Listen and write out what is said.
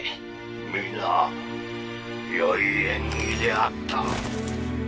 皆良い演技であった。